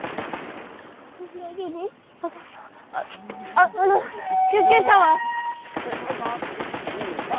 ああの救急車は？